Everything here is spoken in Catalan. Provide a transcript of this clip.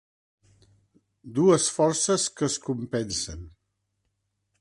Dues forces que es compensen.